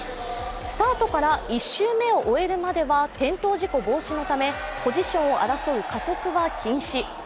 スタートから１周目を終えるまでは転倒事故を防止するためポジションを争う加速は禁止。